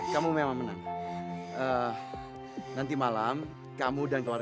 kamu benar benar perempuan lelaki